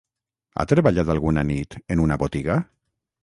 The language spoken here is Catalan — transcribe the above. Ha treballat alguna nit en una botiga?